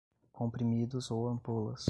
comprimidos ou ampolas